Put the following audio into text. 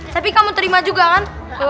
tapi kamu terima juga kan